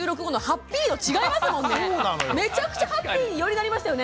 めちゃくちゃハッピーによりなりましたよね。